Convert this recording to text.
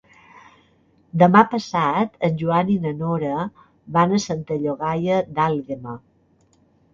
Demà passat en Joan i na Nora van a Santa Llogaia d'Àlguema.